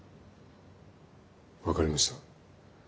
分かりました。